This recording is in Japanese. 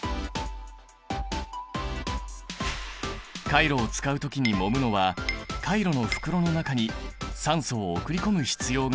カイロを使う時にもむのはカイロの袋の中に酸素を送り込む必要があるからなんだ。